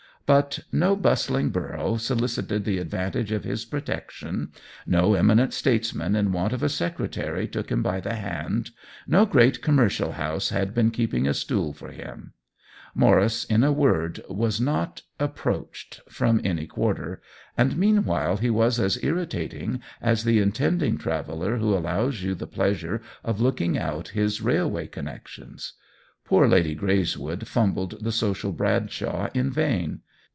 But no bustling borough so licited the advantage of his protection, no 10 THE WHEEL OF TIME eminent statesman in want of a secretary took him by the hand, no great commercial house had been keeping a stool for him. Maurice, in a word, was not " approached " from any quarter, and meanwhile he was as irritating as the intending traveller who al lows you the pleasure of looking out his railway connections. Poor Lady Greys wood fumbled the social Bradshaw in vain.